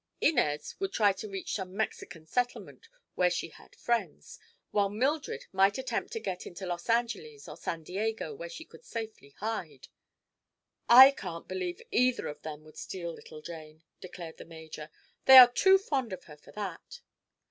Inez would try to reach some Mexican settlement where she had friends, while Mildred might attempt to get into Los Angeles or San Diego, where she could safely hide." "I can't believe either of them would steal little Jane," declared the major. "They are too fond of her for that."